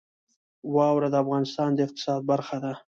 واوره د افغانستان د اقتصاد برخه ده.